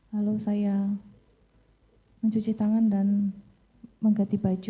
lalu saya mencuci tangan dan mengganti baju